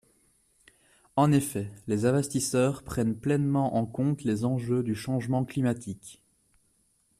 En effet, les investisseurs prennent pleinement en compte les enjeux du changement climatique.